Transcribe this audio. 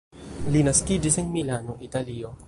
Li naskiĝis en Milano, Italio.